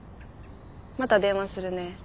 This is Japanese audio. また電話するね。